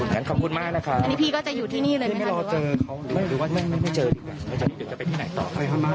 งั้นขอบคุณมากนะครับ